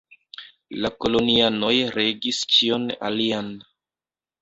La kolonianoj regis ĉion alian.